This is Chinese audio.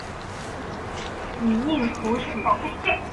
以应图谶。